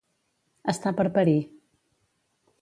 Estar per parir.